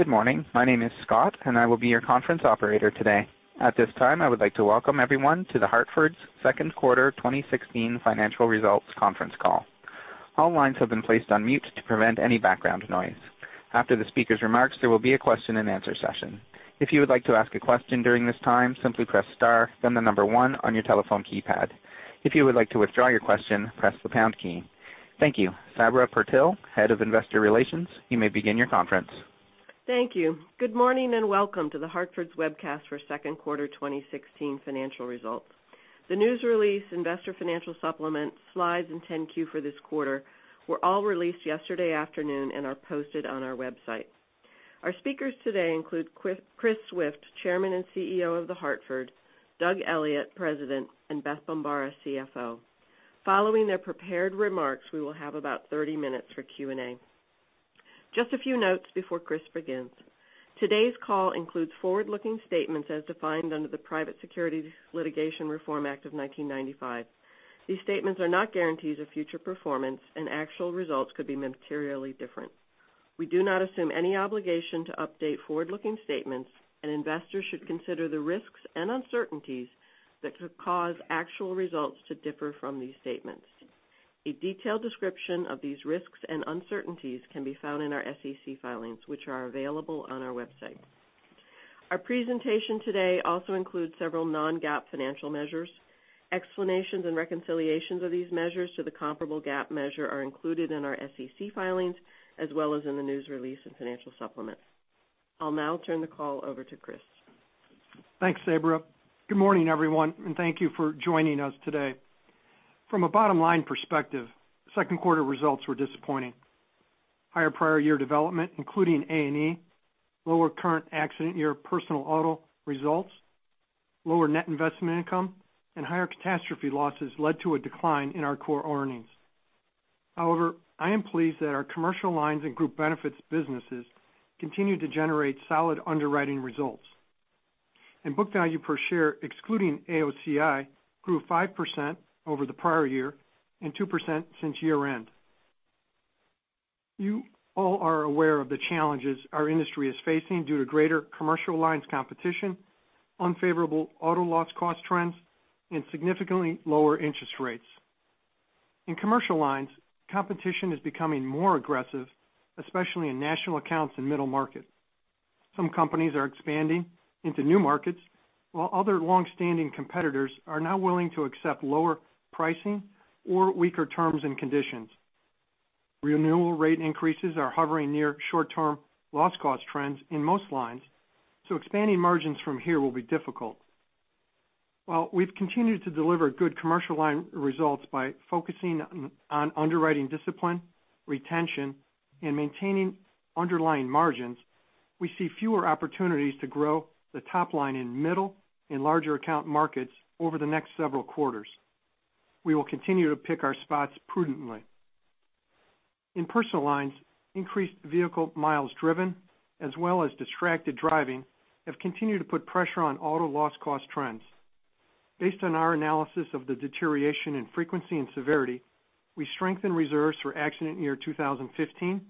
Good morning. My name is Scott, and I will be your conference operator today. At this time, I would like to welcome everyone to The Hartford's second quarter 2016 financial results conference call. All lines have been placed on mute to prevent any background noise. After the speaker's remarks, there will be a question and answer session. If you would like to ask a question during this time, simply press star, then the number one on your telephone keypad. If you would like to withdraw your question, press the pound key. Thank you. Sabra Purtill, Head of Investor Relations, you may begin your conference. Thank you. Good morning, and welcome to The Hartford's webcast for second quarter 2016 financial results. The news release, investor financial supplement, slides, and 10-Q for this quarter were all released yesterday afternoon and are posted on our website. Our speakers today include Chris Swift, Chairman and CEO of The Hartford, Doug Elliot, President, and Beth Bombara, CFO. Following their prepared remarks, we will have about 30 minutes for Q&A. Just a few notes before Chris begins. Today's call includes forward-looking statements as defined under the Private Securities Litigation Reform Act of 1995. These statements are not guarantees of future performance, and actual results could be materially different. Investors should consider the risks and uncertainties that could cause actual results to differ from these statements. A detailed description of these risks and uncertainties can be found in our SEC filings, which are available on our website. Our presentation today also includes several non-GAAP financial measures. Explanations and reconciliations of these measures to the comparable GAAP measure are included in our SEC filings as well as in the news release and financial supplements. I'll now turn the call over to Chris. Thanks, Sabra. Good morning, everyone, and thank you for joining us today. From a bottom-line perspective, second quarter results were disappointing. Higher prior year development, including A&E, lower current accident year personal auto results, lower net investment income, and higher catastrophe losses led to a decline in our core earnings. However, I am pleased that our commercial lines and group benefits businesses continue to generate solid underwriting results. Book value per share, excluding AOCI, grew 5% over the prior year and 2% since year-end. You all are aware of the challenges our industry is facing due to greater commercial lines competition, unfavorable auto loss cost trends, and significantly lower interest rates. In commercial lines, competition is becoming more aggressive, especially in national accounts and middle market. Some companies are expanding into new markets, while other longstanding competitors are now willing to accept lower pricing or weaker terms and conditions. Renewal rate increases are hovering near short-term loss cost trends in most lines, expanding margins from here will be difficult. While we've continued to deliver good commercial line results by focusing on underwriting discipline, retention, and maintaining underlying margins, we see fewer opportunities to grow the top line in middle and larger account markets over the next several quarters. We will continue to pick our spots prudently. In personal lines, increased vehicle miles driven as well as distracted driving have continued to put pressure on auto loss cost trends. Based on our analysis of the deterioration in frequency and severity, we strengthened reserves for accident year 2015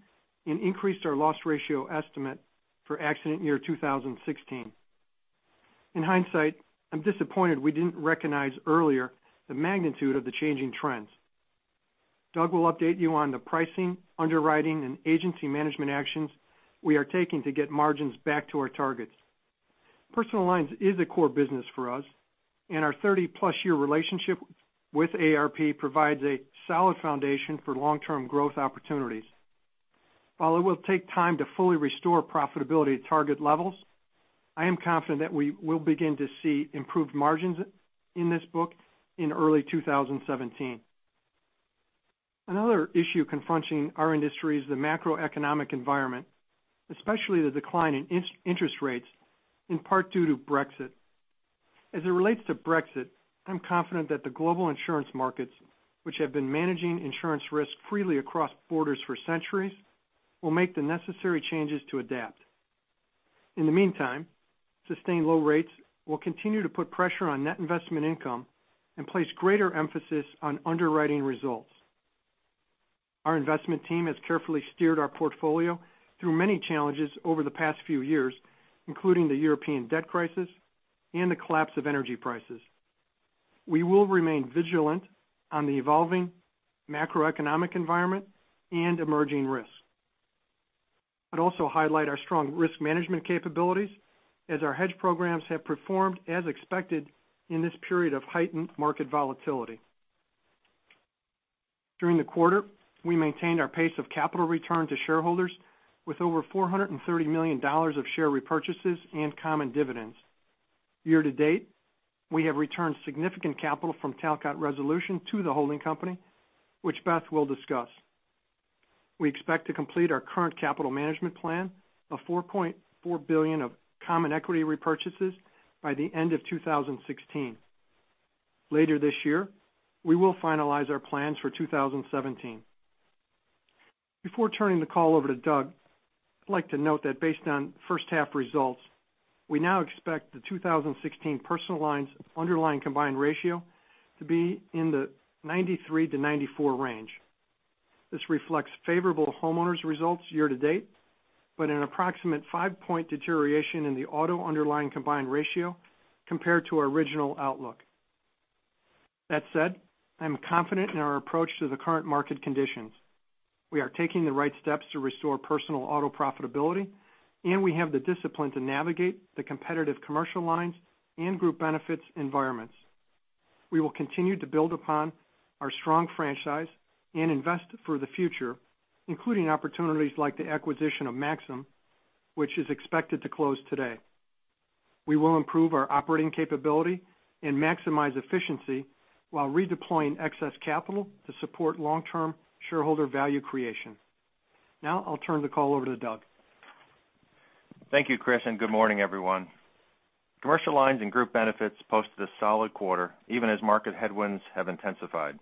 and increased our loss ratio estimate for accident year 2016. In hindsight, I'm disappointed we didn't recognize earlier the magnitude of the changing trends. Doug will update you on the pricing, underwriting, and agency management actions we are taking to get margins back to our targets. Personal lines is a core business for us, and our 30-plus-year relationship with AARP provides a solid foundation for long-term growth opportunities. While it will take time to fully restore profitability to target levels, I am confident that we will begin to see improved margins in this book in early 2017. Another issue confronting our industry is the macroeconomic environment, especially the decline in interest rates, in part due to Brexit. As it relates to Brexit, I'm confident that the global insurance markets, which have been managing insurance risk freely across borders for centuries, will make the necessary changes to adapt. In the meantime, sustained low rates will continue to put pressure on net investment income and place greater emphasis on underwriting results. Our investment team has carefully steered our portfolio through many challenges over the past few years, including the European debt crisis and the collapse of energy prices. We will remain vigilant on the evolving macroeconomic environment and emerging risks. I'd also highlight our strong risk management capabilities as our hedge programs have performed as expected in this period of heightened market volatility. During the quarter, we maintained our pace of capital return to shareholders with over $430 million of share repurchases and common dividends. Year to date, we have returned significant capital from Talcott Resolution to the holding company, which Beth will discuss. We expect to complete our current capital management plan of $4.4 billion of common equity repurchases by the end of 2016. Later this year, we will finalize our plans for 2017. Before turning the call over to Doug, I'd like to note that based on first half results, we now expect the 2016 personal lines underlying combined ratio to be in the 93-94 range. This reflects favorable homeowners results year to date, but an approximate 5-point deterioration in the auto underlying combined ratio compared to our original outlook. That said, I'm confident in our approach to the current market conditions. We are taking the right steps to restore personal auto profitability, and we have the discipline to navigate the competitive commercial lines and Group Benefits environments. We will continue to build upon our strong franchise and invest for the future, including opportunities like the acquisition of Maxum, which is expected to close today. We will improve our operating capability and maximize efficiency while redeploying excess capital to support long-term shareholder value creation. Now I'll turn the call over to Doug. Thank you, Chris. Good morning, everyone. Commercial Lines and Group Benefits posted a solid quarter even as market headwinds have intensified.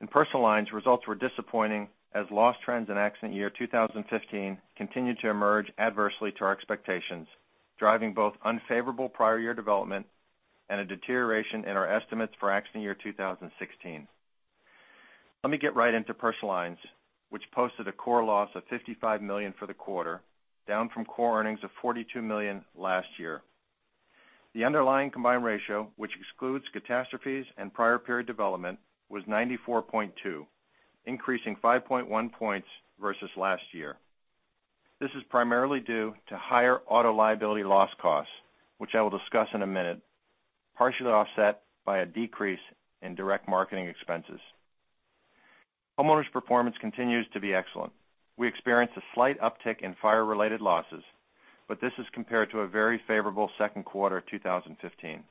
In Personal Lines, results were disappointing as loss trends in accident year 2015 continued to emerge adversely to our expectations, driving both unfavorable prior year development and a deterioration in our estimates for accident year 2016. Let me get right into Personal Lines, which posted a core loss of $55 million for the quarter, down from core earnings of $42 million last year. The underlying combined ratio, which excludes catastrophes and prior period development, was 94.2, increasing 5.1 points versus last year. This is primarily due to higher auto liability loss costs, which I will discuss in a minute, partially offset by a decrease in direct marketing expenses. Homeowners' performance continues to be excellent. We experienced a slight uptick in fire-related losses, this is compared to a very favorable second quarter 2015.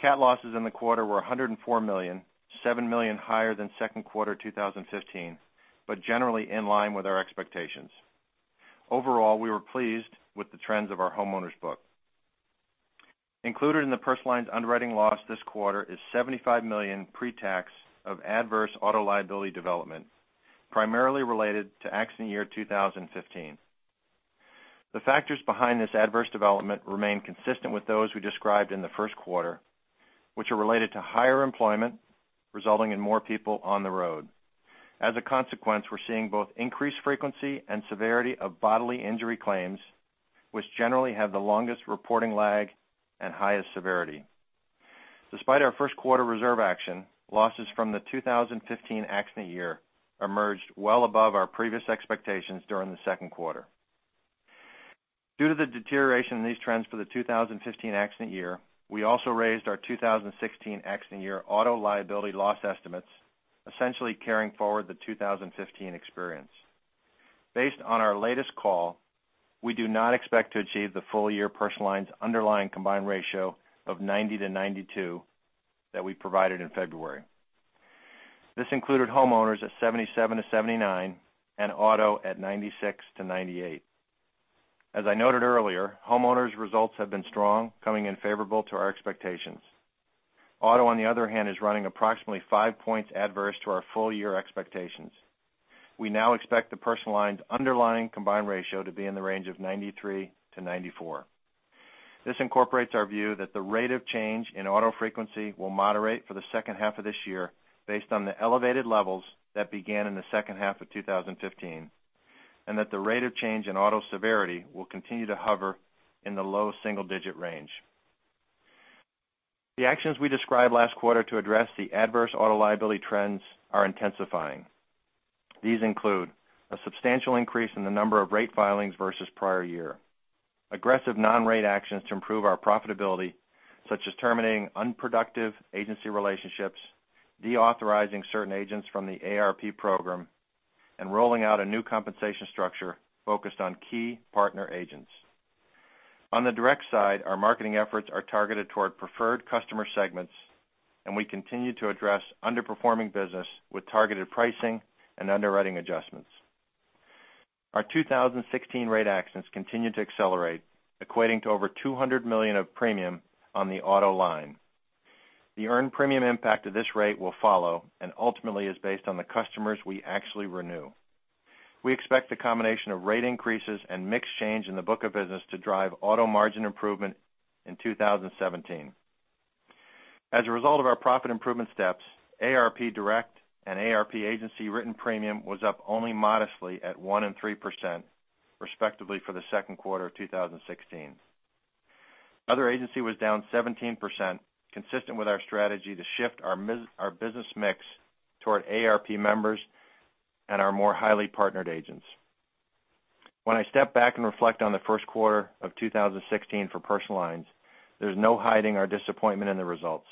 Cat losses in the quarter were $104 million, $7 million higher than second quarter 2015, but generally in line with our expectations. Overall, we were pleased with the trends of our Homeowners book. Included in the Personal Lines underwriting loss this quarter is $75 million pre-tax of adverse auto liability development, primarily related to accident year 2015. The factors behind this adverse development remain consistent with those we described in the first quarter, which are related to higher employment, resulting in more people on the road. As a consequence, we're seeing both increased frequency and severity of bodily injury claims, which generally have the longest reporting lag and highest severity. Despite our first quarter reserve action, losses from the 2015 accident year emerged well above our previous expectations during the second quarter. Due to the deterioration in these trends for the 2015 accident year, we also raised our 2016 accident year auto liability loss estimates, essentially carrying forward the 2015 experience. Based on our latest call, we do not expect to achieve the full year Personal Lines underlying combined ratio of 90%-92% that we provided in February. This included Homeowners at 77%-79% and Auto at 96%-98%. As I noted earlier, Homeowners results have been strong, coming in favorable to our expectations. Auto, on the other hand, is running approximately five points adverse to our full-year expectations. We now expect the Personal Lines underlying combined ratio to be in the range of 93%-94%. This incorporates our view that the rate of change in auto frequency will moderate for the second half of this year based on the elevated levels that began in the second half of 2015, and that the rate of change in auto severity will continue to hover in the low single-digit range. The actions we described last quarter to address the adverse auto liability trends are intensifying. These include a substantial increase in the number of rate filings versus the prior year, aggressive non-rate actions to improve our profitability, such as terminating unproductive agency relationships, deauthorizing certain agents from the AARP program, and rolling out a new compensation structure focused on key partner agents. On the direct side, our marketing efforts are targeted toward preferred customer segments, and we continue to address underperforming business with targeted pricing and underwriting adjustments. Our 2016 rate actions continue to accelerate, equating to over $200 million of premium on the auto line. The earned premium impact of this rate will follow and ultimately is based on the customers we actually renew. We expect the combination of rate increases and mix change in the book of business to drive auto margin improvement in 2017. As a result of our profit improvement steps, AARP Direct and AARP Agency written premium was up only modestly at 1% and 3% respectively for the second quarter of 2016. Other agency was down 17%, consistent with our strategy to shift our business mix toward AARP members and our more highly partnered agents. When I step back and reflect on the first quarter of 2016 for personal lines, there's no hiding our disappointment in the results.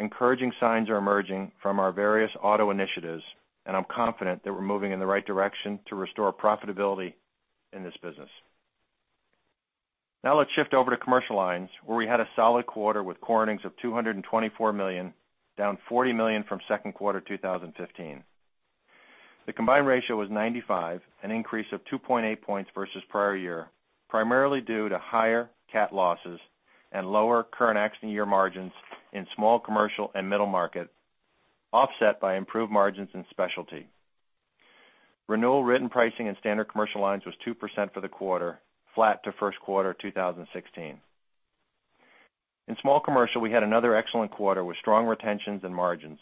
Encouraging signs are emerging from our various auto initiatives, and I'm confident that we're moving in the right direction to restore profitability in this business. Now let's shift over to commercial lines, where we had a solid quarter with core earnings of $224 million, down $40 million from second quarter 2015. The combined ratio was 95, an increase of 2.8 points versus the prior year, primarily due to higher cat losses and lower current accident year margins in Small Commercial and Middle Market, offset by improved margins in Specialty. Renewal written pricing in standard commercial lines was 2% for the quarter, flat to first quarter 2016. In Small Commercial, we had another excellent quarter with strong retentions and margins.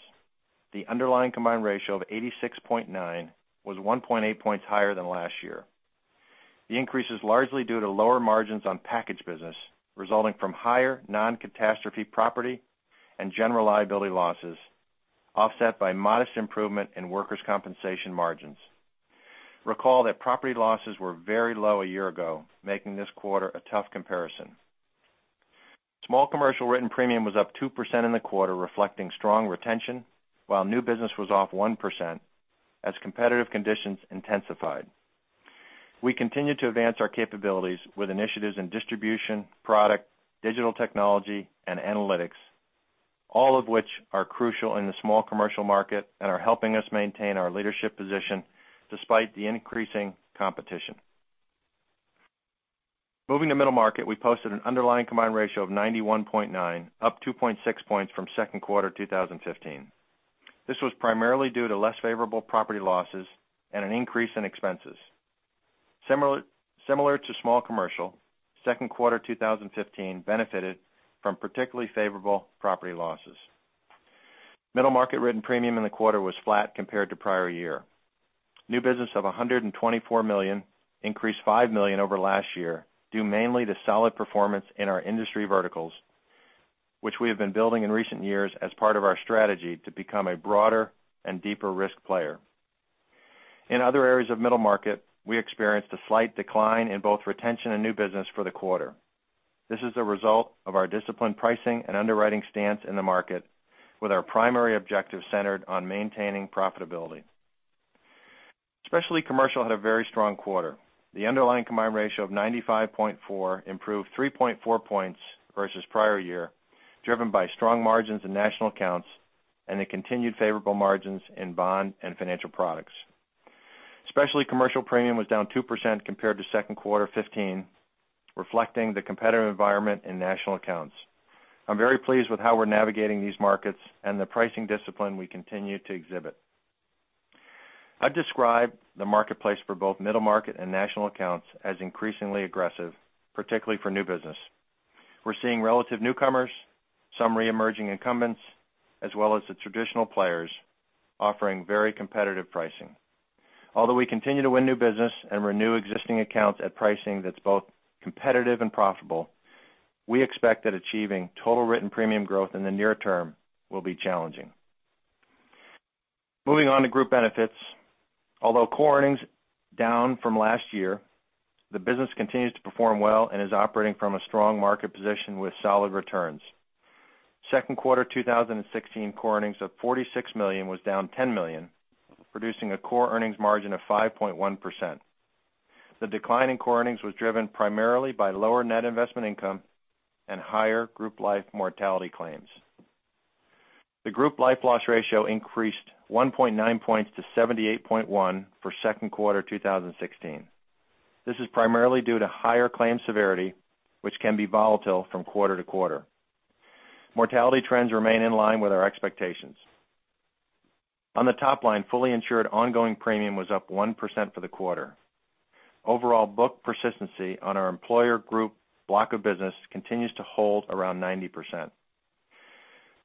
The underlying combined ratio of 86.9 was 1.8 points higher than last year. The increase is largely due to lower margins on package business resulting from higher non-catastrophe property and general liability losses, offset by modest improvement in workers' compensation margins. Recall that property losses were very low a year ago, making this quarter a tough comparison. Small Commercial written premium was up 2% in the quarter, reflecting strong retention, while new business was off 1% as competitive conditions intensified. We continue to advance our capabilities with initiatives in distribution, product, digital technology, and analytics, all of which are crucial in the Small Commercial market and are helping us maintain our leadership position despite the increasing competition. Moving to Middle Market, we posted an underlying combined ratio of 91.9, up 2.6 points from second quarter 2015. This was primarily due to less favorable property losses and an increase in expenses. Similar to Small Commercial, second quarter 2015 benefited from particularly favorable property losses. Middle market written premium in the quarter was flat compared to prior year. New business of $124 million increased $5 million over last year, due mainly to solid performance in our industry verticals, which we have been building in recent years as part of our strategy to become a broader and deeper risk player. In other areas of middle market, we experienced a slight decline in both retention and new business for the quarter. This is a result of our disciplined pricing and underwriting stance in the market, with our primary objective centered on maintaining profitability. Specialty commercial had a very strong quarter. The underlying combined ratio of 95.4 improved 3.4 points versus prior year, driven by strong margins in national accounts and the continued favorable margins in bond and financial products. Specialty commercial premium was down 2% compared to second quarter 2015, reflecting the competitive environment in national accounts. I'm very pleased with how we're navigating these markets and the pricing discipline we continue to exhibit. I've described the marketplace for both middle market and national accounts as increasingly aggressive, particularly for new business. We're seeing relative newcomers, some reemerging incumbents, as well as the traditional players offering very competitive pricing. Although we continue to win new business and renew existing accounts at pricing that's both competitive and profitable, we expect that achieving total written premium growth in the near term will be challenging. Moving on to group benefits. Although core earnings down from last year, the business continues to perform well and is operating from a strong market position with solid returns. Second quarter 2016 core earnings of $46 million was down $10 million, producing a core earnings margin of 5.1%. The decline in core earnings was driven primarily by lower net investment income and higher group life mortality claims. The group life loss ratio increased 1.9 points to 78.1 for second quarter 2016. This is primarily due to higher claim severity, which can be volatile from quarter to quarter. Mortality trends remain in line with our expectations. On the top line, fully insured ongoing premium was up 1% for the quarter. Overall book persistency on our employer group block of business continues to hold around 90%.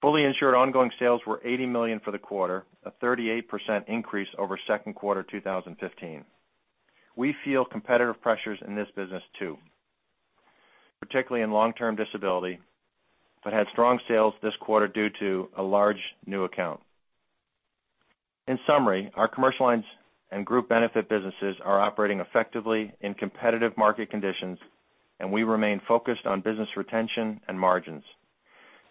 Fully insured ongoing sales were $80 million for the quarter, a 38% increase over second quarter 2015. We feel competitive pressures in this business too, particularly in long-term disability, but had strong sales this quarter due to a large new account. In summary, our commercial lines and group benefit businesses are operating effectively in competitive market conditions, and we remain focused on business retention and margins.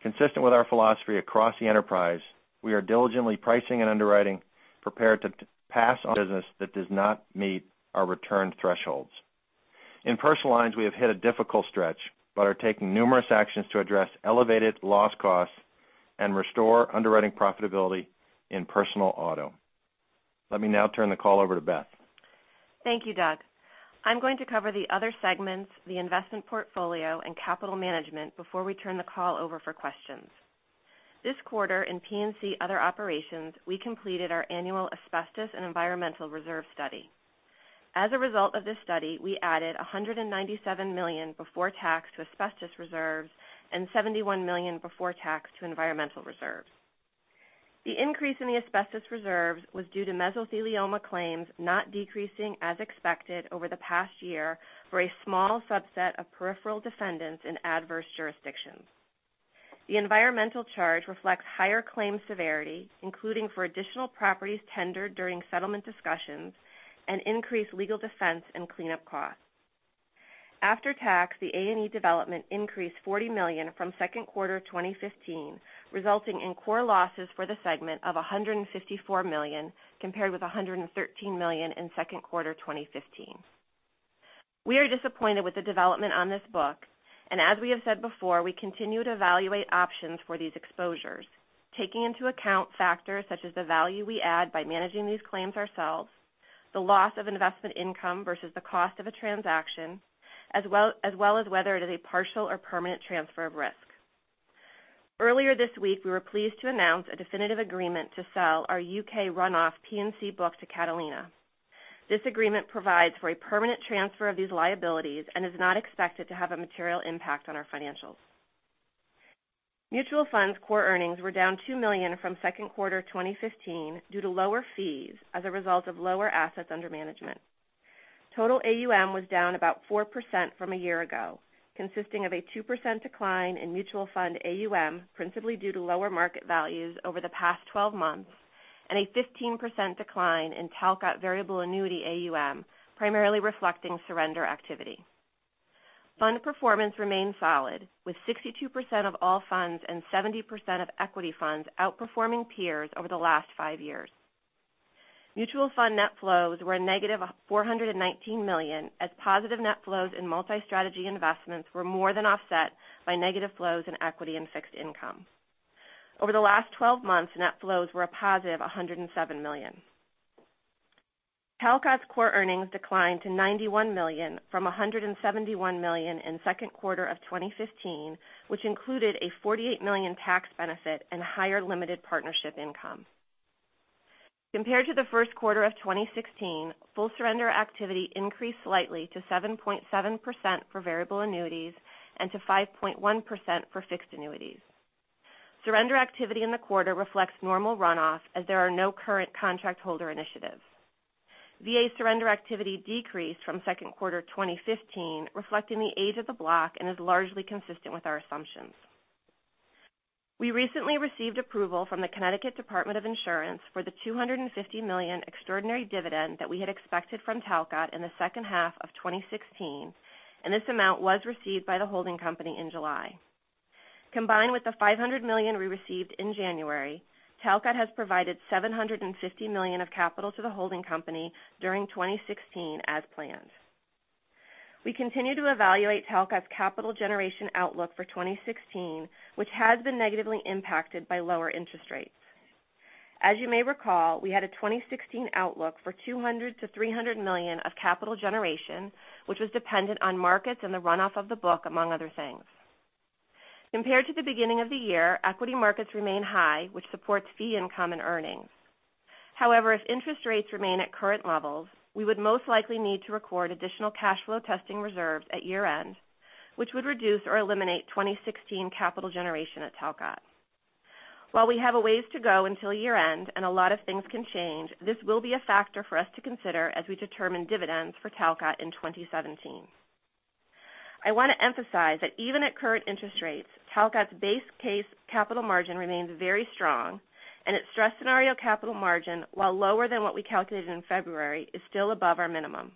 Consistent with our philosophy across the enterprise, we are diligently pricing and underwriting, prepared to pass on business that does not meet our return thresholds. In personal lines, we have hit a difficult stretch, but are taking numerous actions to address elevated loss costs and restore underwriting profitability in personal auto. Let me now turn the call over to Beth. Thank you, Doug. I'm going to cover the other segments, the investment portfolio, and capital management before we turn the call over for questions. This quarter, in P&C other operations, we completed our annual asbestos and environmental reserve study. As a result of this study, we added $197 million before tax to asbestos reserves and $71 million before tax to environmental reserves. The increase in the asbestos reserves was due to mesothelioma claims not decreasing as expected over the past year for a small subset of peripheral defendants in adverse jurisdictions. The environmental charge reflects higher claim severity, including for additional properties tendered during settlement discussions and increased legal defense and cleanup costs. After tax, the A&E development increased $40 million from second quarter 2015, resulting in core losses for the segment of $154 million, compared with $113 million in second quarter 2015. We are disappointed with the development on this book. As we have said before, we continue to evaluate options for these exposures, taking into account factors such as the value we add by managing these claims ourselves, the loss of investment income versus the cost of a transaction, as well as whether it is a partial or permanent transfer of risk. Earlier this week, we were pleased to announce a definitive agreement to sell our U.K. run-off P&C book to Catalina. This agreement provides for a permanent transfer of these liabilities and is not expected to have a material impact on our financials. Mutual funds core earnings were down $2 million from second quarter 2015 due to lower fees as a result of lower assets under management. Total AUM was down about 4% from a year ago, consisting of a 2% decline in mutual fund AUM, principally due to lower market values over the past 12 months, and a 15% decline in Talcott variable annuity AUM, primarily reflecting surrender activity. Fund performance remained solid, with 62% of all funds and 70% of equity funds outperforming peers over the last five years. Mutual fund net flows were negative $419 million, as positive net flows in multi-strategy investments were more than offset by negative flows in equity and fixed income. Over the last 12 months, net flows were a positive $107 million. Talcott's core earnings declined to $91 million from $171 million in second quarter of 2015, which included a $48 million tax benefit and higher limited partnership income. Compared to the first quarter of 2016, full surrender activity increased slightly to 7.7% for variable annuities and to 5.1% for fixed annuities. Surrender activity in the quarter reflects normal run-off, as there are no current contract holder initiatives. VA surrender activity decreased from second quarter 2015, reflecting the age of the block and is largely consistent with our assumptions. We recently received approval from the Connecticut Insurance Department for the $250 million extraordinary dividend that we had expected from Talcott in the second half of 2016. This amount was received by the holding company in July. Combined with the $500 million we received in January, Talcott has provided $750 million of capital to the holding company during 2016 as planned. We continue to evaluate Talcott's capital generation outlook for 2016, which has been negatively impacted by lower interest rates. As you may recall, we had a 2016 outlook for $200 million-$300 million of capital generation, which was dependent on markets and the run-off of the book, among other things. Compared to the beginning of the year, equity markets remain high, which supports fee income and earnings. If interest rates remain at current levels, we would most likely need to record additional cash flow testing reserves at year-end, which would reduce or eliminate 2016 capital generation at Talcott. While we have a ways to go until year-end and a lot of things can change, this will be a factor for us to consider as we determine dividends for Talcott in 2017. I want to emphasize that even at current interest rates, Talcott's base case capital margin remains very strong, and its stress scenario capital margin, while lower than what we calculated in February, is still above our minimum.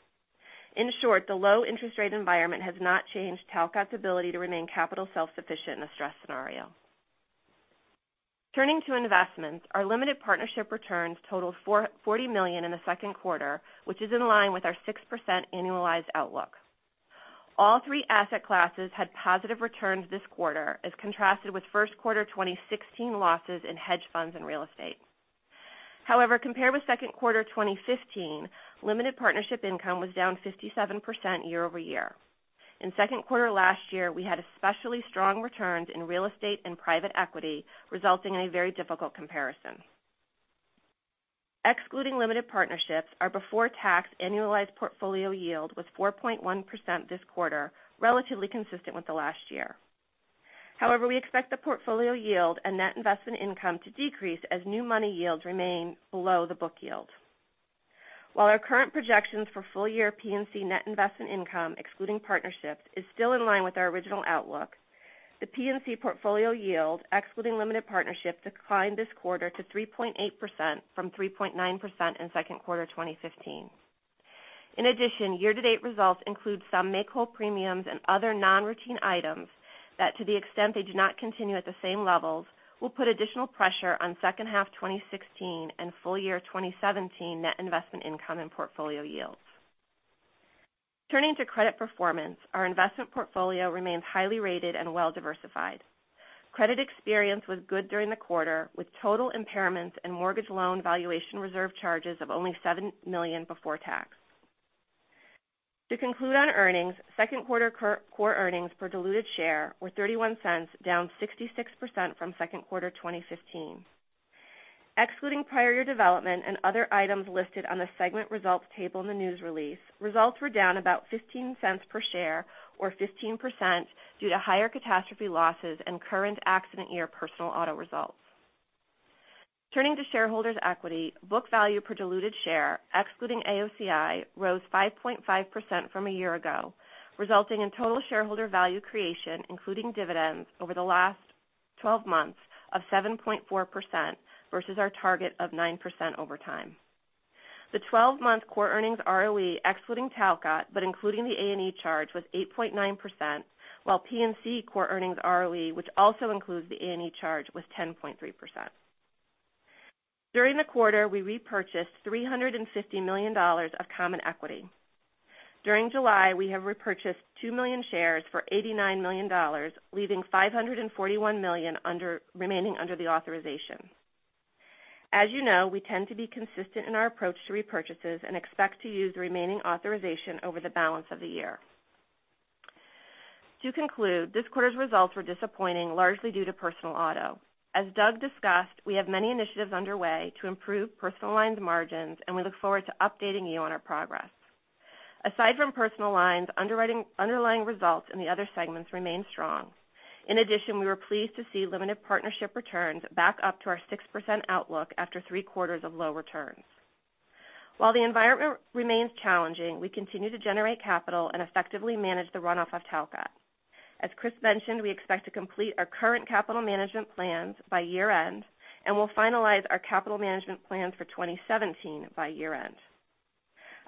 In short, the low interest rate environment has not changed Talcott's ability to remain capital self-sufficient in a stress scenario. Turning to investments, our limited partnership returns totaled $40 million in the second quarter, which is in line with our 6% annualized outlook. All three asset classes had positive returns this quarter as contrasted with first quarter 2016 losses in hedge funds and real estate. Compared with second quarter 2015, limited partnership income was down 57% year-over-year. In second quarter last year, we had especially strong returns in real estate and private equity, resulting in a very difficult comparison. Excluding limited partnerships, our before tax annualized portfolio yield was 4.1% this quarter, relatively consistent with the last year. We expect the portfolio yield and net investment income to decrease as new money yields remain below the book yield. While our current projections for full-year P&C net investment income, excluding partnerships, is still in line with our original outlook, the P&C portfolio yield, excluding limited partnership, declined this quarter to 3.8% from 3.9% in second quarter 2015. Year-to-date results include some make-whole premiums and other non-routine items that, to the extent they do not continue at the same levels, will put additional pressure on second half 2016 and full year 2017 net investment income and portfolio yields. Turning to credit performance, our investment portfolio remains highly rated and well-diversified. Credit experience was good during the quarter, with total impairments and mortgage loan valuation reserve charges of only $7 million before tax. To conclude on earnings, second quarter core earnings per diluted share were $0.31, down 66% from second quarter 2015. Excluding prior year development and other items listed on the segment results table in the news release, results were down about $0.15 per share or 15% due to higher catastrophe losses and current accident year personal auto results. Turning to shareholders' equity, book value per diluted share, excluding AOCI, rose 5.5% from a year ago, resulting in total shareholder value creation, including dividends, over the last 12 months of 7.4% versus our target of 9% over time. The 12-month core earnings ROE, excluding Talcott but including the A&E charge, was 8.9%, while P&C core earnings ROE, which also includes the A&E charge, was 10.3%. During the quarter, we repurchased $350 million of common equity. During July, we have repurchased two million shares for $89 million, leaving $541 million remaining under the authorization. As you know, we tend to be consistent in our approach to repurchases and expect to use the remaining authorization over the balance of the year. To conclude, this quarter's results were disappointing, largely due to personal auto. As Doug discussed, we have many initiatives underway to improve personal lines margins, and we look forward to updating you on our progress. Aside from personal lines, underlying results in the other segments remain strong. In addition, we were pleased to see limited partnership returns back up to our 6% outlook after three quarters of low returns. While the environment remains challenging, we continue to generate capital and effectively manage the runoff of Talcott. As Chris mentioned, we expect to complete our current capital management plans by year-end, and we'll finalize our capital management plan for 2017 by year-end.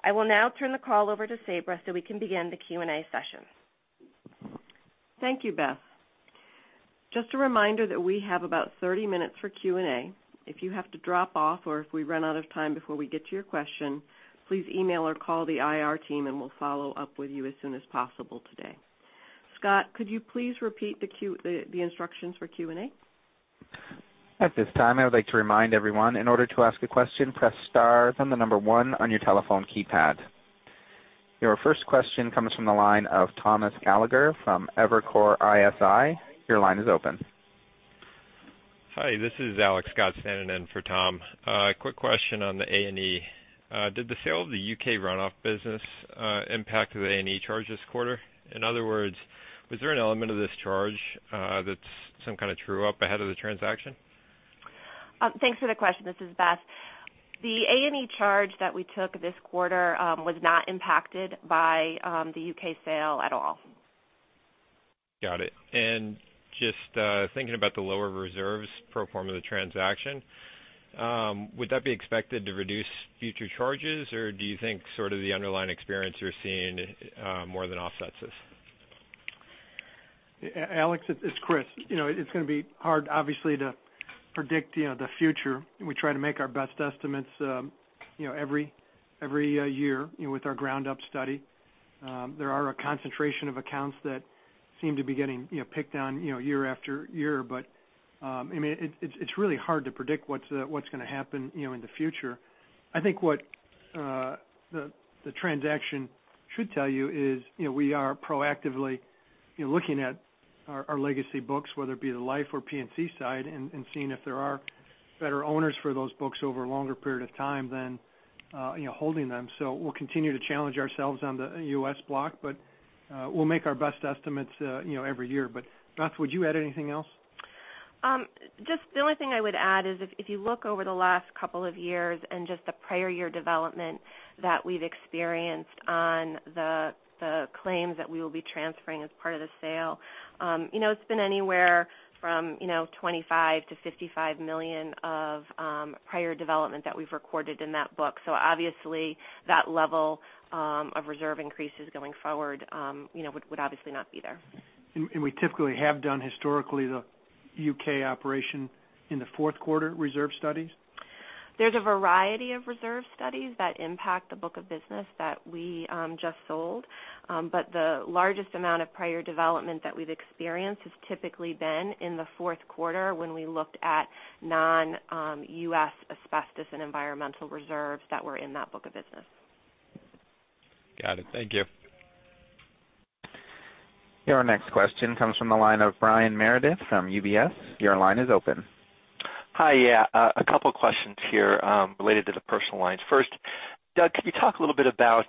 I will now turn the call over to Sabra so we can begin the Q&A session. Thank you, Beth. Just a reminder that we have about 30 minutes for Q&A. If you have to drop off or if we run out of time before we get to your question, please email or call the IR team and we'll follow up with you as soon as possible today. Scott, could you please repeat the instructions for Q&A? At this time, I would like to remind everyone, in order to ask a question, press star, then the number one on your telephone keypad. Your first question comes from the line of Thomas Gallagher from Evercore ISI. Your line is open. Hi, this is Alex Scott standing in for Tom. A quick question on the A&E. Did the sale of the U.K. runoff business impact the A&E charge this quarter? In other words, was there an element of this charge that's some kind of true up ahead of the transaction? Thanks for the question. This is Beth. The A&E charge that we took this quarter was not impacted by the U.K. sale at all. Got it. Just thinking about the lower reserves pro forma the transaction, would that be expected to reduce future charges, or do you think sort of the underlying experience you're seeing more than offsets this? Alex, it's Chris. It's going to be hard, obviously, to predict the future. We try to make our best estimates every year with our ground-up study. There are a concentration of accounts that seem to be getting picked on year after year. It's really hard to predict what's going to happen in the future. I think what the transaction should tell you is we are proactively looking at our legacy books, whether it be the life or P&C side, and seeing if there are better owners for those books over a longer period of time than holding them. We'll continue to challenge ourselves on the U.S. block, but we'll make our best estimates every year. Beth, would you add anything else? Just the only thing I would add is if you look over the last couple of years and just the prior year development that we've experienced on the claims that we will be transferring as part of the sale, it's been anywhere from $25 million-$55 million of prior development that we've recorded in that book. Obviously, that level of reserve increases going forward would obviously not be there. We typically have done historically the U.K. operation in the fourth quarter reserve studies? There's a variety of reserve studies that impact the book of business that we just sold. The largest amount of prior development that we've experienced has typically been in the fourth quarter when we looked at non-U.S. asbestos and environmental reserves that were in that book of business. Got it. Thank you. Your next question comes from the line of Brian Meredith from UBS. Your line is open. Hi. A couple questions here related to the personal lines. First, Doug, could you talk a little bit about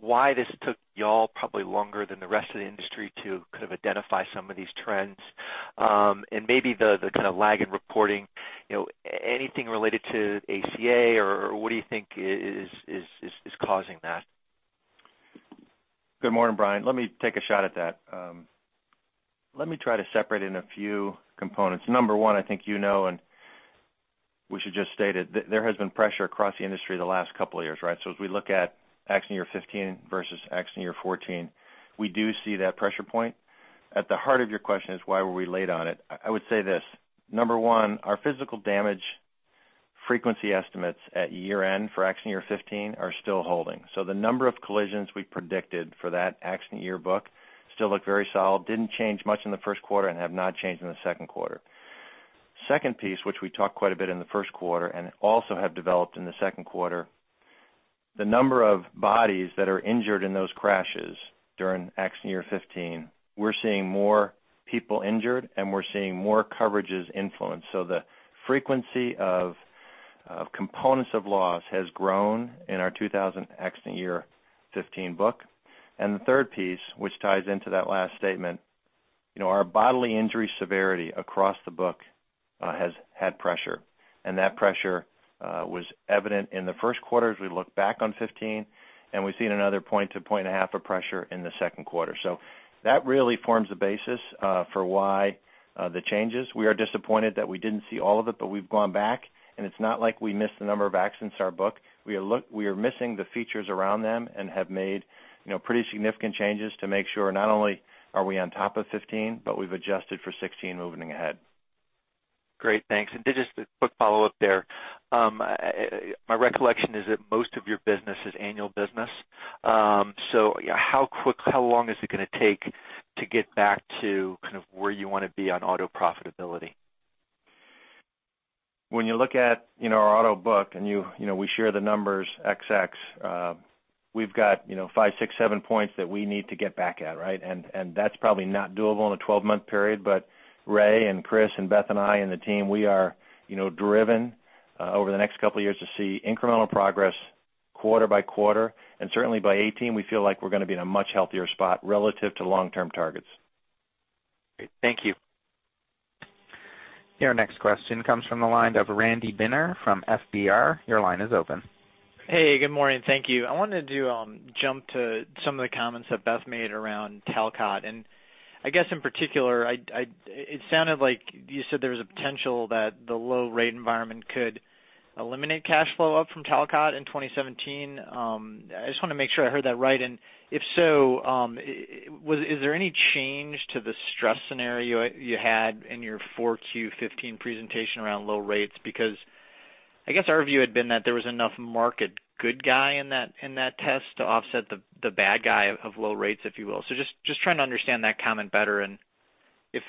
why this took you all probably longer than the rest of the industry to kind of identify some of these trends? Maybe the kind of lag in reporting, anything related to ACA or what do you think is causing that? Good morning, Brian. Let me take a shot at that. Let me try to separate in a few components. Number one, I think you know, We should just state it, there has been pressure across the industry the last couple of years, right? As we look at accident year 2015 versus accident year 2014, we do see that pressure point. At the heart of your question is why were we late on it? I would say this. Number one, our physical damage frequency estimates at year-end for accident year 2015 are still holding. The number of collisions we predicted for that accident year book still look very solid, didn't change much in the first quarter and have not changed in the second quarter. Second piece, which we talked quite a bit in the first quarter and also have developed in the second quarter, the number of bodies that are injured in those crashes during accident year 2015, we're seeing more people injured and we're seeing more coverages influenced. The frequency of components of loss has grown in our 2000 accident year 2015 book. The third piece, which ties into that last statement, our bodily injury severity across the book has had pressure, and that pressure was evident in the first quarter as we look back on 2015, and we've seen another 1 point-1.5 points of pressure in the second quarter. That really forms the basis for why the changes. We are disappointed that we didn't see all of it, but we've gone back, and it's not like we missed the number of accidents in our book. We are missing the features around them and have made pretty significant changes to make sure not only are we on top of 2015, but we've adjusted for 2016 moving ahead. Great. Thanks. Just a quick follow-up there. My recollection is that most of your business is annual business. How long is it going to take to get back to kind of where you want to be on auto profitability? When you look at our auto book and we share the numbers xx, we've got five, six, seven points that we need to get back at, right? That's probably not doable in a 12-month period. Ray and Chris and Beth Bombara and I and the team, we are driven over the next couple of years to see incremental progress quarter by quarter, and certainly by 2018, we feel like we're going to be in a much healthier spot relative to long-term targets. Great. Thank you. Your next question comes from the line of Randy Binner from FBR. Your line is open. Hey, good morning. Thank you. I wanted to jump to some of the comments that Beth made around Talcott, I guess in particular, it sounded like you said there was a potential that the low rate environment could eliminate cash flow up from Talcott in 2017. I just want to make sure I heard that right. If so, is there any change to the stress scenario you had in your 4Q 2015 presentation around low rates? I guess our view had been that there was enough market good guy in that test to offset the bad guy of low rates, if you will. Just trying to understand that comment better and if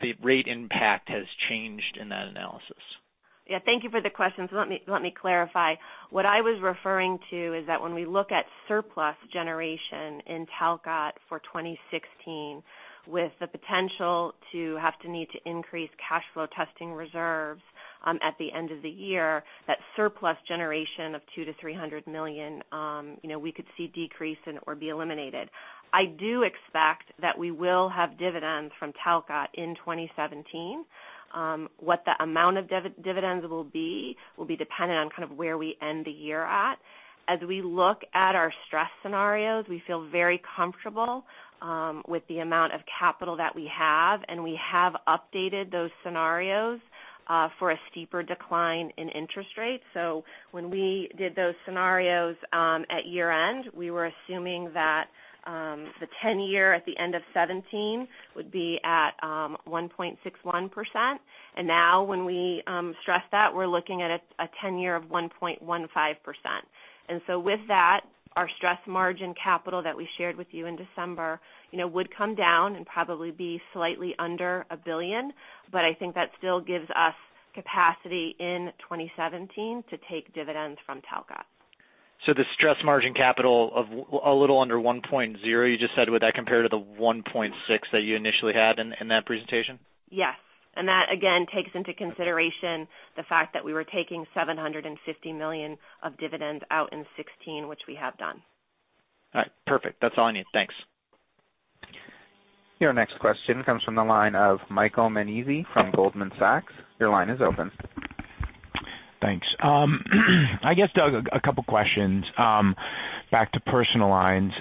the rate impact has changed in that analysis. Yeah. Thank you for the question. Let me clarify. What I was referring to is that when we look at surplus generation in Talcott for 2016, with the potential to need to increase cash flow testing reserves at the end of the year, that surplus generation of $200 million-$300 million we could see decrease or be eliminated. I do expect that we will have dividends from Talcott in 2017. What the amount of dividends will be will be dependent on kind of where we end the year at. As we look at our stress scenarios, we feel very comfortable with the amount of capital that we have, we have updated those scenarios for a steeper decline in interest rates. When we did those scenarios at year-end, we were assuming that the 10-year at the end of 2017 would be at 1.61%. Now when we stress that, we're looking at a 10-year of 1.15%. With that, our stress margin capital that we shared with you in December would come down and probably be slightly under $1 billion. I think that still gives us capacity in 2017 to take dividends from Talcott. The stress margin capital of a little under 1.0 you just said, would that compare to the 1.6 that you initially had in that presentation? Yes. That, again, takes into consideration the fact that we were taking $750 million of dividends out in 2016, which we have done. All right. Perfect. That's all I need. Thanks. Your next question comes from the line of Michael Nannizzi from Goldman Sachs. Your line is open. Thanks. I guess, Doug, a couple questions. Back to personal lines.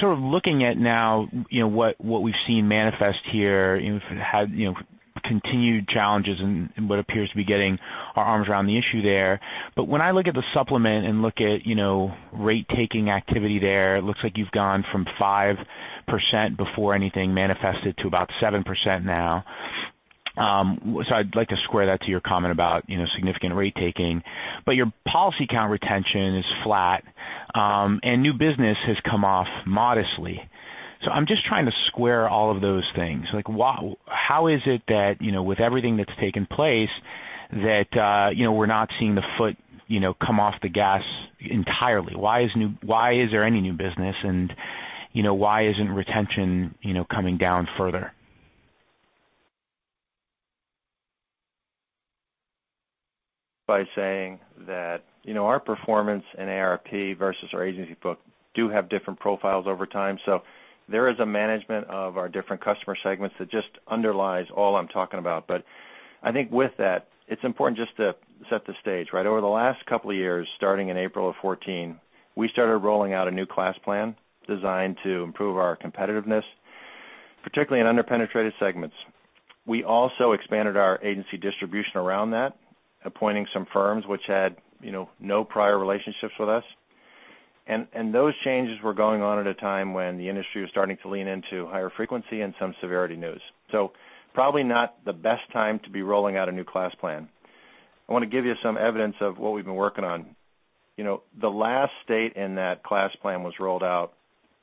Sort of looking at now what we've seen manifest here, we've had continued challenges in what appears to be getting our arms around the issue there. When I look at the supplement and look at rate-taking activity there, it looks like you've gone from 5% before anything manifested to about 7% now. I'd like to square that to your comment about significant rate taking. Your policy count retention is flat, and new business has come off modestly. I'm just trying to square all of those things. Like how is it that with everything that's taken place that we're not seeing the foot come off the gas entirely? Why is there any new business, and why isn't retention coming down further? By saying that our performance in AARP versus our agency book do have different profiles over time. There is a management of our different customer segments that just underlies all I'm talking about. I think with that, it's important just to set the stage, right? Over the last couple of years, starting in April of 2014, we started rolling out a new class plan designed to improve our competitiveness, particularly in under-penetrated segments. We also expanded our agency distribution around that, appointing some firms which had no prior relationships with us. Those changes were going on at a time when the industry was starting to lean into higher frequency and some severity news. Probably not the best time to be rolling out a new class plan. I want to give you some evidence of what we've been working on. The last state in that class plan was rolled out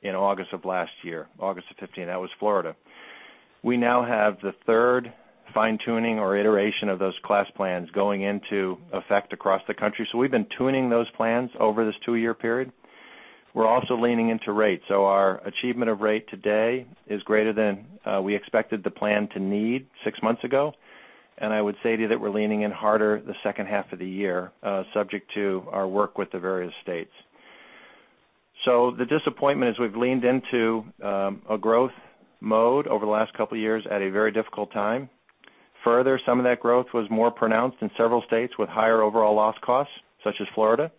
in August of last year, August of 2015. That was Florida. We now have the third fine-tuning or iteration of those class plans going into effect across the country. We've been tuning those plans over this two-year period. We're also leaning into rates. Our achievement of rate today is greater than we expected the plan to need six months ago. I would say to you that we're leaning in harder the second half of the year, subject to our work with the various states. The disappointment is we've leaned into a growth mode over the last couple of years at a very difficult time. Further, some of that growth was more pronounced in several states with higher overall loss costs, such as Florida.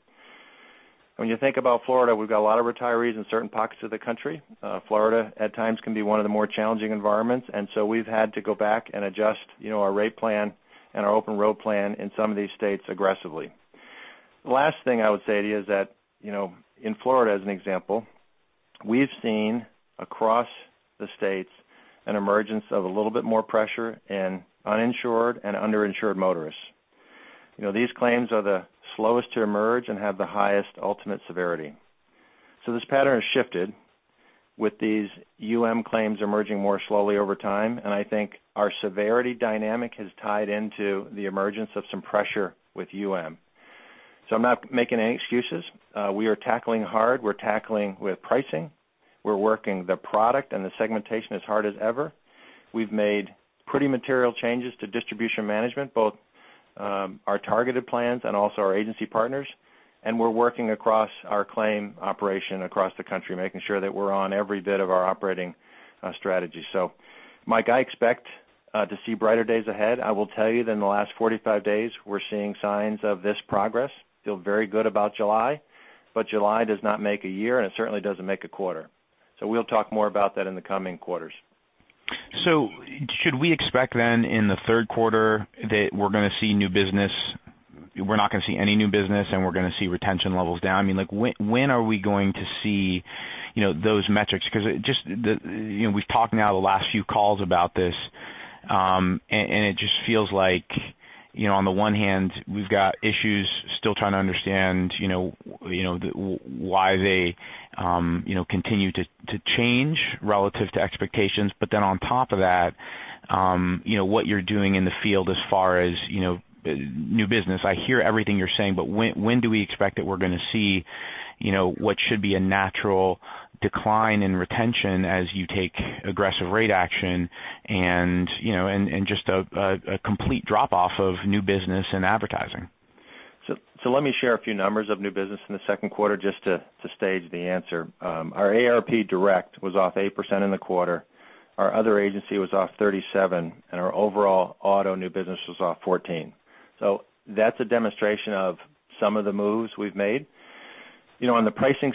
When you think about Florida, we've got a lot of retirees in certain pockets of the country. Florida, at times, can be one of the more challenging environments, we've had to go back and adjust our rate plan and our Openroad plan in some of these states aggressively. The last thing I would say to you is that in Florida, as an example, we've seen across the states an emergence of a little bit more pressure in uninsured and underinsured motorists. These claims are the slowest to emerge and have the highest ultimate severity. This pattern has shifted with these UM claims emerging more slowly over time, and I think our severity dynamic has tied into the emergence of some pressure with UM. I'm not making any excuses. We are tackling hard. We're tackling with pricing. We're working the product and the segmentation as hard as ever. We've made pretty material changes to distribution management, both our targeted plans and also our agency partners. We're working across our claim operation across the country, making sure that we're on every bit of our operating strategy. Mike, I expect to see brighter days ahead. I will tell you that in the last 45 days, we're seeing signs of this progress. Feel very good about July, but July does not make a year, and it certainly doesn't make a quarter. We'll talk more about that in the coming quarters. Should we expect then in the third quarter that we're not going to see any new business, and we're going to see retention levels down? When are we going to see those metrics? We've talked now the last few calls about this, and it just feels like on the one hand, we've got issues still trying to understand why they continue to change relative to expectations. On top of that, what you're doing in the field as far as new business. I hear everything you're saying, but when do we expect that we're going to see what should be a natural decline in retention as you take aggressive rate action and just a complete drop-off of new business and advertising? Let me share a few numbers of new business in the second quarter just to stage the answer. Our AARP Direct was off 8% in the quarter. Our other agency was off 37%, and our overall auto new business was off 14%. That's a demonstration of some of the moves we've made. On the pricing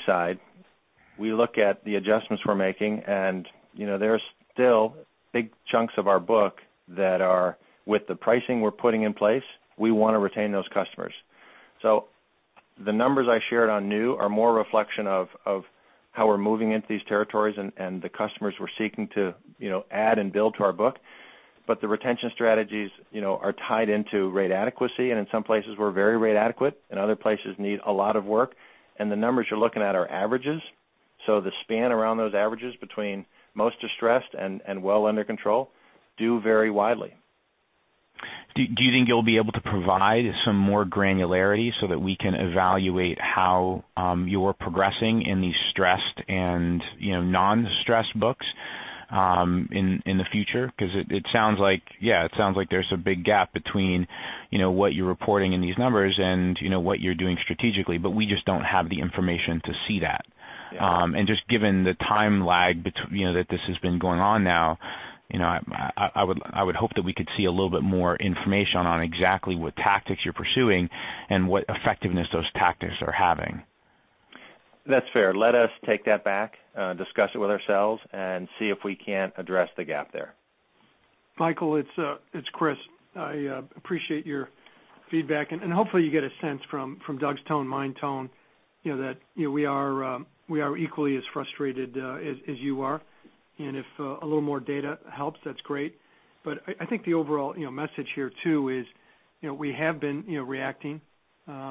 side, we look at the adjustments we're making, and there's still big chunks of our book that are with the pricing we're putting in place, we want to retain those customers. The numbers I shared on new are more a reflection of how we're moving into these territories and the customers we're seeking to add and build to our book. The retention strategies are tied into rate adequacy, and in some places we're very rate adequate, and other places need a lot of work. The numbers you're looking at are averages. The span around those averages between most distressed and well under control do vary widely. Do you think you'll be able to provide some more granularity so that we can evaluate how you're progressing in these stressed and non-stressed books in the future? It sounds like there's a big gap between what you're reporting in these numbers and what you're doing strategically, but we just don't have the information to see that. Yeah. Just given the time lag that this has been going on now, I would hope that we could see a little bit more information on exactly what tactics you're pursuing and what effectiveness those tactics are having. That's fair. Let us take that back, discuss it with ourselves, and see if we can't address the gap there. Michael, it's Chris. I appreciate your feedback, and hopefully you get a sense from Doug's tone, my tone, that we are equally as frustrated as you are. If a little more data helps, that's great. I think the overall message here too is we have been reacting.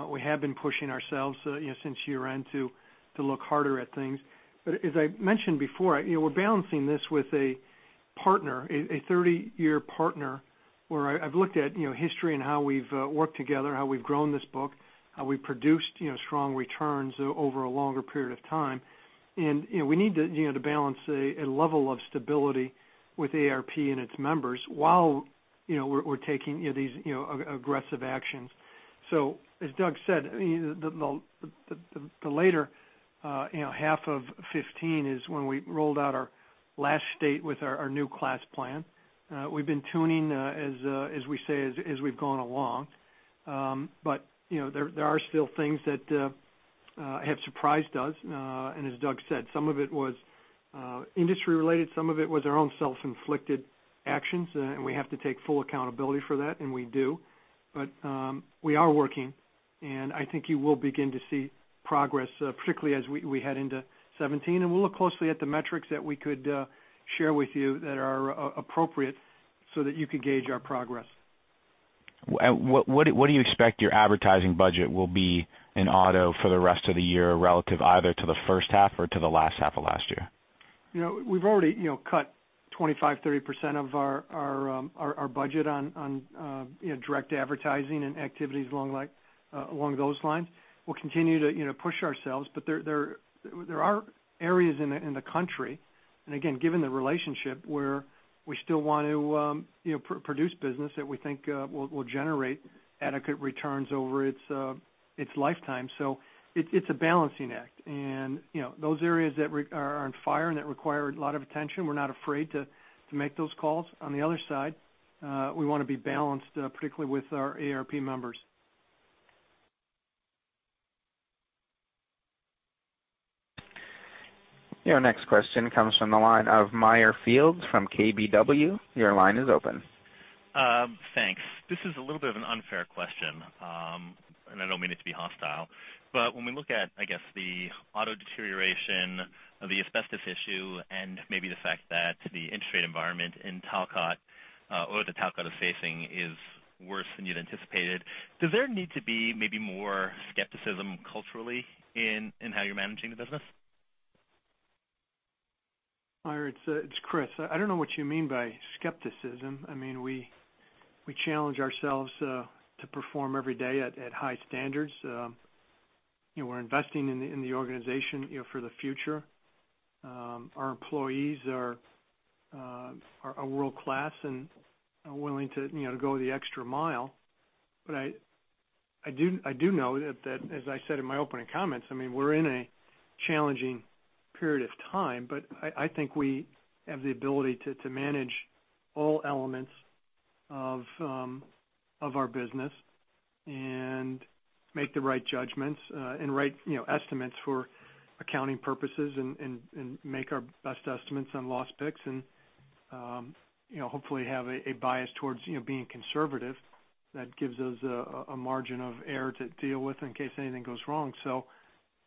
We have been pushing ourselves since year-end to look harder at things. As I mentioned before, we're balancing this with a partner, a 30-year partner, where I've looked at history and how we've worked together, how we've grown this book, how we've produced strong returns over a longer period of time. We need to balance a level of stability with AARP and its members while we're taking these aggressive actions. As Doug said, the later half of 2015 is when we rolled out our last state with our new class plan. We've been tuning as we say, as we've gone along. There are still things that have surprised us. As Doug said, some of it was industry related, some of it was our own self-inflicted actions, and we have to take full accountability for that, and we do. We are working, and I think you will begin to see progress, particularly as we head into 2017. We'll look closely at the metrics that we could share with you that are appropriate so that you can gauge our progress. What do you expect your advertising budget will be in auto for the rest of the year relative either to the first half or to the last half of last year? We've already cut 25%, 30% of our budget on direct advertising and activities along those lines. We'll continue to push ourselves. There are areas in the country, and again, given the relationship, where we still want to produce business that we think will generate adequate returns over its lifetime. It's a balancing act. Those areas that are on fire and that require a lot of attention, we're not afraid to make those calls. On the other side, we want to be balanced, particularly with our AARP members. Your next question comes from the line of Meyer Shields from KBW. Your line is open. Thanks. This is a little bit of an unfair question, and I don't mean it to be hostile. When we look at the auto deterioration of the asbestos issue and maybe the fact that the industry environment in Talcott, or that Talcott is facing, is worse than you'd anticipated, does there need to be maybe more skepticism culturally in how you're managing the business? Meyer, it's Chris. I don't know what you mean by skepticism. We challenge ourselves to perform every day at high standards. We're investing in the organization for the future. Our employees are world-class and are willing to go the extra mile. I do know that as I said in my opening comments, we're in a challenging period of time. I think we have the ability to manage all elements of our business and make the right judgments and right estimates for accounting purposes and make our best estimates on loss picks and hopefully have a bias towards being conservative that gives us a margin of error to deal with in case anything goes wrong.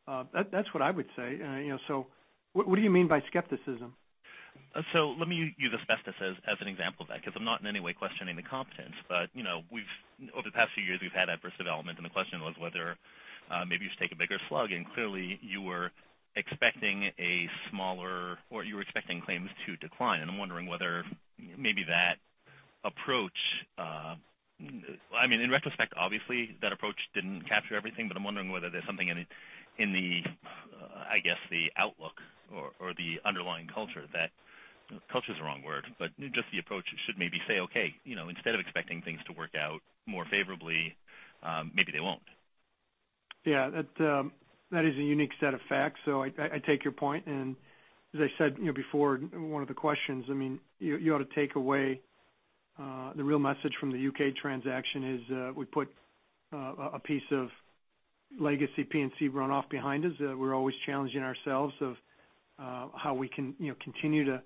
That's what I would say. What do you mean by skepticism? Let me use asbestos as an example of that, because I'm not in any way questioning the competence. Over the past few years, we've had adverse development, and the question was whether maybe you should take a bigger slug, and clearly you were expecting claims to decline. I'm wondering whether maybe that approach in retrospect, obviously, that approach didn't capture everything, but I'm wondering whether there's something in the outlook or the underlying culture that, culture is the wrong word, but just the approach should maybe say, okay, instead of expecting things to work out more favorably, maybe they won't. Yeah. That is a unique set of facts. I take your point, and as I said before in one of the questions, you ought to take away the real message from the U.K. transaction is we put a piece of legacy P&C runoff behind us. We're always challenging ourselves of how we can continue to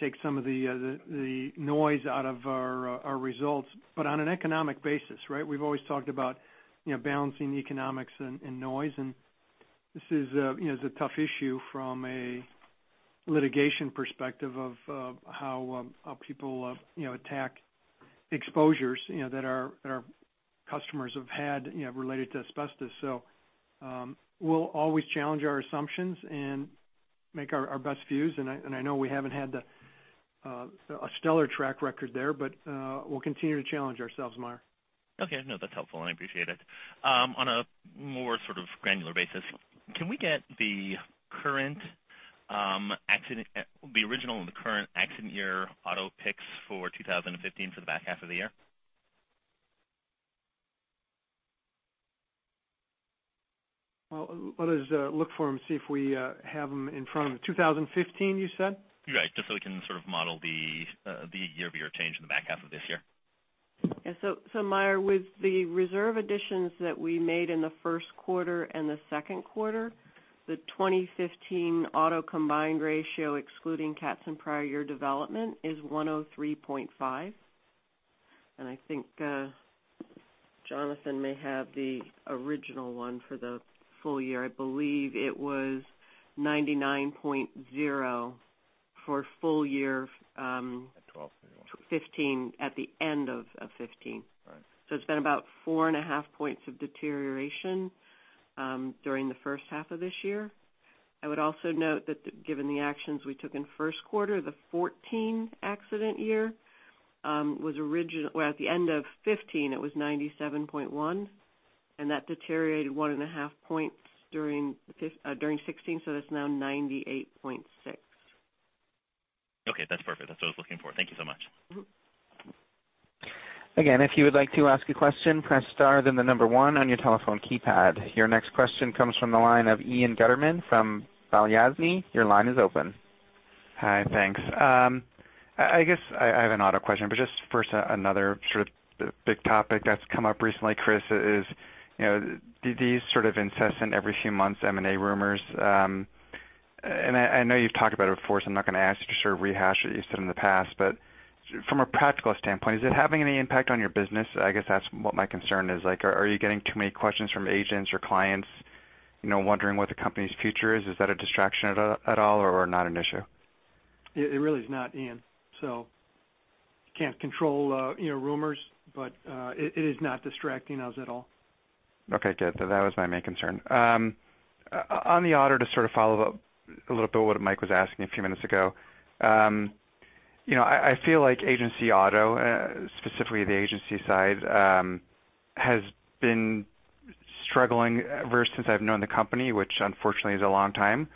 take some of the noise out of our results. On an economic basis, right? We've always talked about balancing economics and noise. This is a tough issue from a litigation perspective of how people attack exposures that our customers have had related to asbestos. We'll always challenge our assumptions and make our best views. I know we haven't had a stellar track record there, but we'll continue to challenge ourselves, Meyer. Okay. No, that's helpful, and I appreciate it. On a more sort of granular basis, can we get the original and the current accident year auto picks for 2015 for the back half of the year? Well, let us look for them, see if we have them in front of. 2015, you said? Right. Just so we can sort of model the year-over-year change in the back half of this year. Yeah. Meyer, with the reserve additions that we made in the first quarter and the second quarter, the 2015 auto combined ratio, excluding CATs and prior year development, is 103.5. I think Jonathan may have the original one for the full year. I believe it was 99.0 for full year. At 12 2015 at the end of 2015. Right. It's been about four and a half points of deterioration during the first half of this year. I would also note that given the actions we took in the first quarter, the 2014 accident year, at the end of 2015, it was 97.1, and that deteriorated one and a half points during 2016, so it's now 98.6. Okay, that's perfect. That's what I was looking for. Thank you so much. If you would like to ask a question, press star, then the number one on your telephone keypad. Your next question comes from the line of Ian Gutterman from Balyasny. Your line is open. Hi. Thanks. I guess I have an auto question, but just first, another sort of big topic that's come up recently, Chris, is these sort of incessant every few months M&A rumors. I know you've talked about it before, so I'm not going to ask you to sort of rehash what you said in the past. From a practical standpoint, is it having any impact on your business? I guess that's what my concern is. Are you getting too many questions from agents or clients wondering what the company's future is? Is that a distraction at all or not an issue? It really is not, Ian. Can't control rumors, but it is not distracting us at all. Okay, good. That was my main concern. On the auto, to sort of follow up a little bit what Mike was asking a few minutes ago. I feel like agency auto, specifically the agency side, has been struggling ever since I've known the company, which unfortunately is a long time.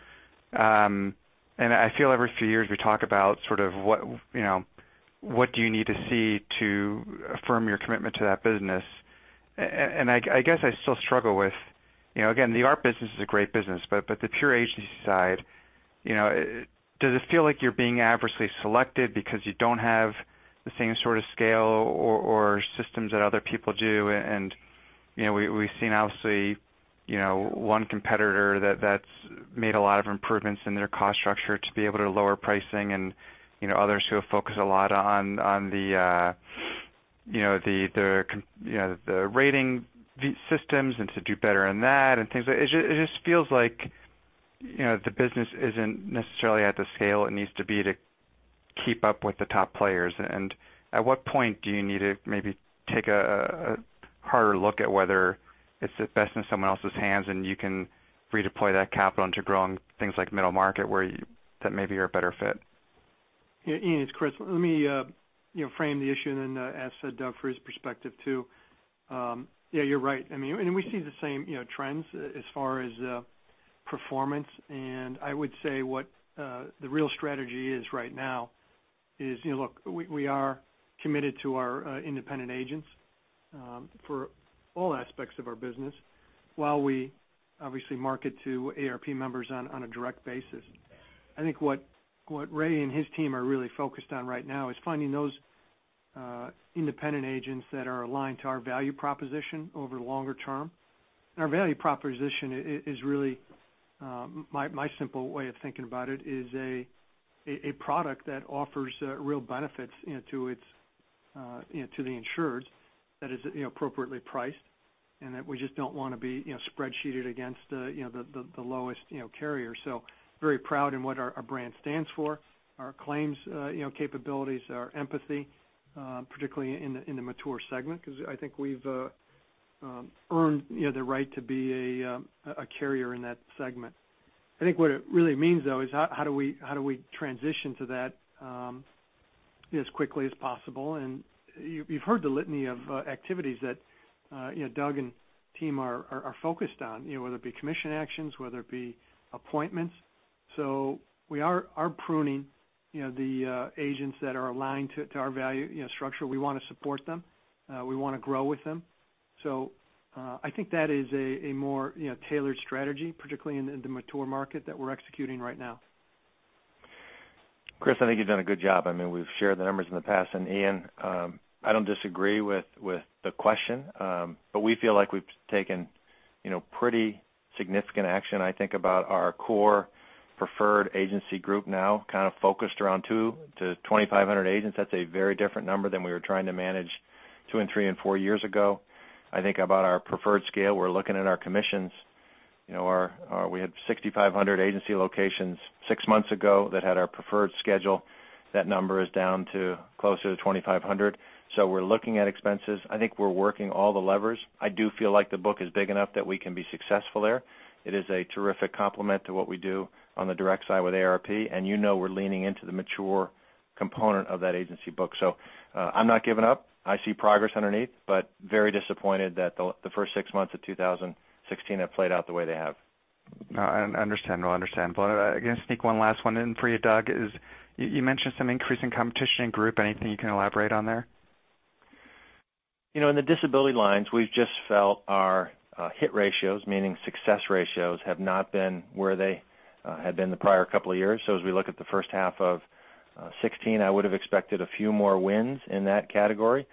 I feel every few years we talk about sort of what do you need to see to affirm your commitment to that business. I guess I still struggle with, again, the AARP business is a great business, but the pure agency side, does it feel like you're being adversely selected because you don't have the same sort of scale or systems that other people do? We've seen, obviously, one competitor that's made a lot of improvements in their cost structure to be able to lower pricing. Others who have focused a lot on the rating systems and to do better on that and things. It just feels like the business isn't necessarily at the scale it needs to be to keep up with the top players. At what point do you need to maybe take a harder look at whether it's best in someone else's hands, and you can redeploy that capital into growing things like middle market where that maybe you're a better fit? Yeah, Ian, it's Chris. Let me frame the issue and then ask Doug for his perspective, too. Yeah, you're right. We see the same trends as far as performance. I would say what the real strategy is right now is, look, we are committed to our independent agents for all aspects of our business while we obviously market to AARP members on a direct basis. I think what Ray and his team are really focused on right now is finding those independent agents that are aligned to our value proposition over the longer term. Our value proposition is really, my simple way of thinking about it, is a product that offers real benefits to the insured that is appropriately priced and that we just don't want to be spreadsheeted against the lowest carrier. Very proud in what our brand stands for. Our claims capabilities, our empathy, particularly in the mature segment, because I think we've earned the right to be a carrier in that segment. I think what it really means, though, is how do we transition to that as quickly as possible? You've heard the litany of activities that Doug and team are focused on, whether it be commission actions, whether it be appointments. We are pruning the agents that are aligned to our value structure. We want to support them. We want to grow with them. I think that is a more tailored strategy, particularly in the mature market that we're executing right now. Chris, I think you've done a good job. We've shared the numbers in the past. Ian, I don't disagree with the question. We feel like we've taken pretty significant action, I think, about our core preferred agency group now kind of focused around two to 2,500 agents. That's a very different number than we were trying to manage two and three and four years ago. I think about our preferred scale. We're looking at our commissions. We had 6,500 agency locations six months ago that had our preferred schedule. That number is down to closer to 2,500. We're looking at expenses. I do feel like the book is big enough that we can be successful there. It is a terrific complement to what we do on the direct side with AARP, you know we're leaning into the mature component of that agency book. I'm not giving up. I see progress underneath, but very disappointed that the first six months of 2016 have played out the way they have. Understandable. I'm going to sneak one last one in for you, Doug. You mentioned some increasing competition in group. Anything you can elaborate on there? In the disability lines, we've just felt our hit ratios, meaning success ratios, have not been where they had been the prior couple of years. As we look at the first half of 2016, I would have expected a few more wins in that category.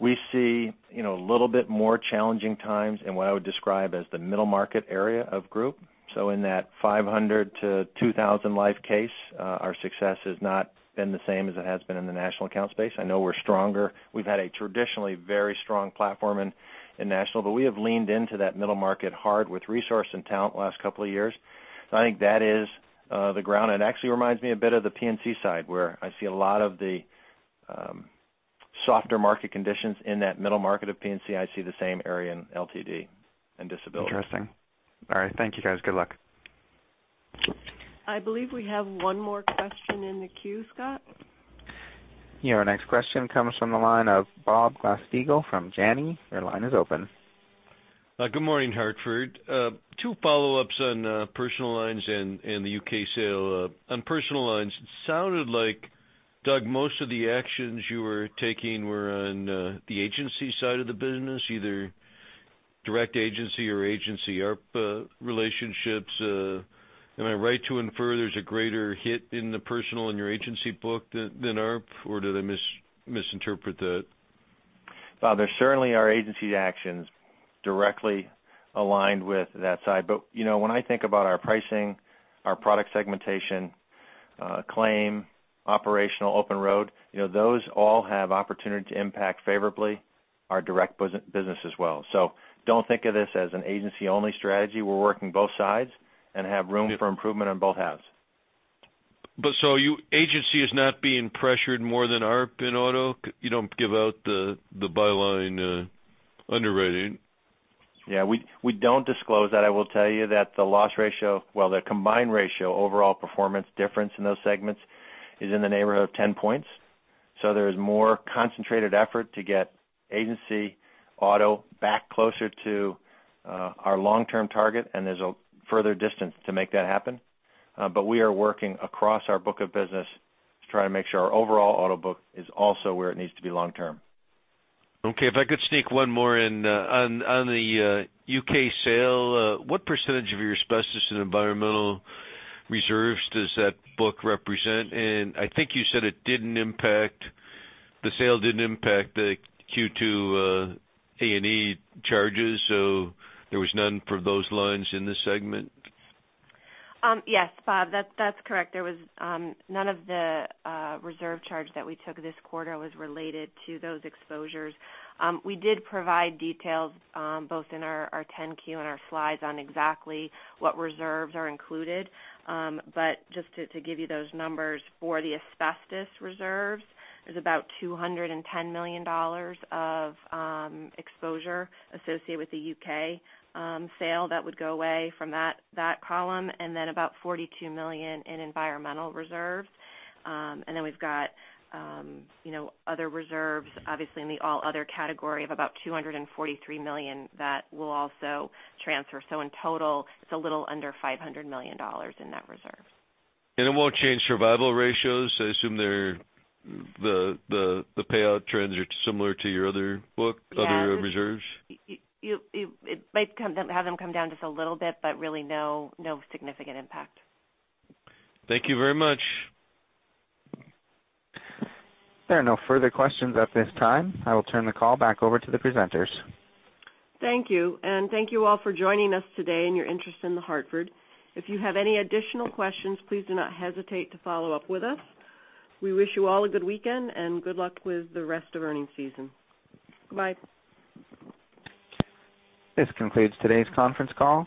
We see a little bit more challenging times in what I would describe as the middle market area of group. In that 500 to 2,000 life case, our success has not been the same as it has been in the national account space. I know we're stronger. We've had a traditionally very strong platform in national, we have leaned into that middle market hard with resource and talent the last couple of years. I think that is the ground. It actually reminds me a bit of the P&C side, where I see a lot of the softer market conditions in that middle market of P&C. I see the same area in LTD and disability. Interesting. All right. Thank you, guys. Good luck. I believe we have one more question in the queue, Scott. Yeah, our next question comes from the line of Bob Glasspiegel from Janney. Your line is open. Good morning, Hartford. Two follow-ups on personal lines and the U.K. sale. On personal lines, it sounded like, Doug, most of the actions you were taking were on the agency side of the business, either direct agency or agency AARP relationships. Am I right to infer there's a greater hit in the personal in your agency book than AARP, or did I misinterpret that? Bob, there certainly are agency actions directly aligned with that side. When I think about our pricing, our product segmentation, claim, operational, Openroad, those all have opportunity to impact favorably our direct business as well. Don't think of this as an agency-only strategy. We're working both sides and have room for improvement on both halves. Agency is not being pressured more than AARP in auto? You don't give out the byline underwriting. Yeah, we don't disclose that. I will tell you that the loss ratio, well, the combined ratio overall performance difference in those segments is in the neighborhood of 10 points. There is more concentrated effort to get agency auto back closer to our long-term target, and there's a further distance to make that happen. We are working across our book of business to try and make sure our overall auto book is also where it needs to be long term. Okay. If I could sneak one more in. On the U.K. sale, what percentage of your asbestos and environmental reserves does that book represent? I think you said the sale didn't impact the Q2 A&E charges, so there was none for those lines in this segment? Yes, Bob, that's correct. None of the reserve charge that we took this quarter was related to those exposures. We did provide details both in our 10-Q and our slides on exactly what reserves are included. Just to give you those numbers for the asbestos reserves, there's about $210 million of exposure associated with the U.K. sale that would go away from that column, then about $42 million in environmental reserves. We've got other reserves, obviously in the all other category of about $243 million that will also transfer. In total, it's a little under $500 million in that reserve. It won't change survival ratios? I assume the payout trends are similar to your other book, other reserves? Yeah. It might have them come down just a little bit, but really no significant impact. Thank you very much. There are no further questions at this time. I will turn the call back over to the presenters. Thank you. Thank you all for joining us today and your interest in The Hartford. If you have any additional questions, please do not hesitate to follow up with us. We wish you all a good weekend and good luck with the rest of earnings season. Goodbye. This concludes today's conference call.